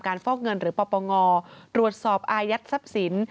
การฟอกเงินหรือปรปงรวดสอบอายัดทรัพย์ศิลป์